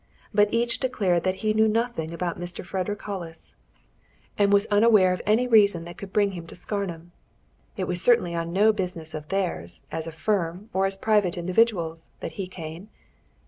But each declared that he knew nothing about Mr. Frederick Hollis, and was utterly unaware of any reason that could bring him to Scarnham: it was certainly on no business of theirs, as a firm, or as private individuals, that he came.